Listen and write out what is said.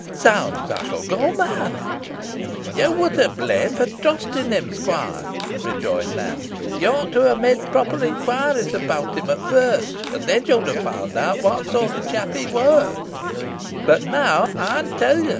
Zounds! I shall go mad." "Yo wur to blame fo' trustin him, squoire," rejoined Nance. "Yo ought to ha' made proper inquiries about him at first, an then yo'd ha' found out what sort o' chap he wur. Boh now ey'n tell ye.